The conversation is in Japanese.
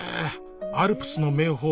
アルプスの名峰